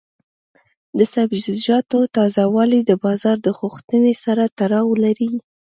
د سبزیجاتو تازه والي د بازار د غوښتنې سره تړاو لري.